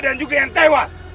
dan juga yang tewas